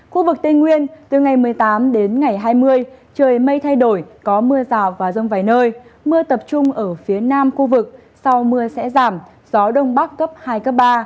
khu vực tây nguyên từ ngày một mươi tám đến ngày hai mươi trời mây thay đổi có mưa rào và rông vài nơi mưa tập trung ở phía nam khu vực sau mưa sẽ giảm gió đông bắc cấp hai cấp ba